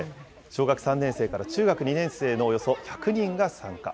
小学３年生から中学２年生のおよそ１００人が参加。